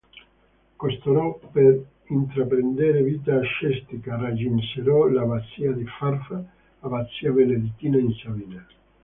Costoro, per intraprendere vita ascetica, raggiunsero l'abbazia di Farfa, abbazia benedettina in Sabina.